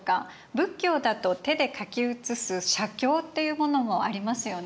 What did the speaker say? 仏教だと手で書き写す写経っていうものもありますよね？